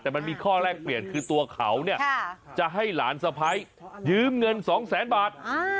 แต่มันมีข้อแรกเปลี่ยนคือตัวเขาเนี่ยจะให้หลานสะพ้ายยืมเงิน๒แสนบาท